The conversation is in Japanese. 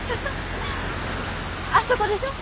あそこでしょ？